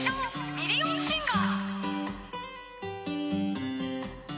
ミリオンシンガー』